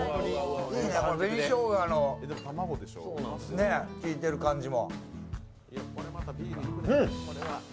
紅しょうがのきいてる感じも。